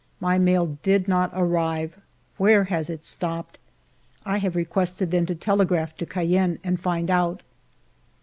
My mail did not arrive. Where has it stopped } I have requested them to telegraph to Cayenne and find out.